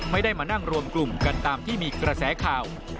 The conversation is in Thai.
ไม่ได้มานั่งรวมกลุ่มกันตามที่มีกระแสข่าว